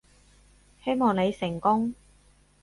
希望你成功